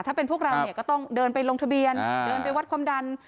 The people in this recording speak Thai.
ถ้าเป็นพวกเราเนี่ยก็ต้องเดินไปลงทะเบียนเดินไปวัดความดัน